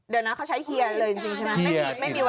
เดี๋ยวนะเขาใช้เฮียเลยจริงใช่ไหม